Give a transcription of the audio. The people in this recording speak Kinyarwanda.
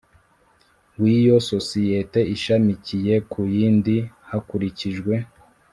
W iyo sosiyete ishamikiye ku yindi hakurikijwe